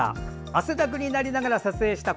汗だくになりながら撮影した